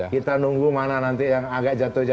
kita nunggu mana nanti yang agak jatuh